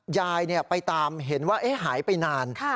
ยายเนี้ยไปตามเห็นว่าเอ๊ะหายไปนานค่ะ